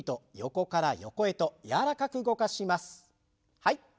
はい。